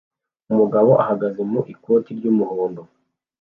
Umugabo uhagaze mu ikoti ry'umuhondo